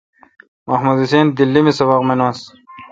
محمد حسین دیلی می سبق منس۔